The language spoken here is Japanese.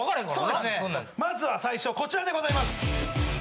・そうですね・まずは最初こちらでございます。